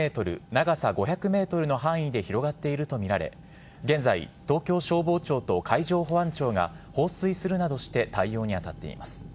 長さ５００ｍの範囲で広がっているとみられ現在、東京消防庁と海上保安庁が放水するなどして対応に当たっています。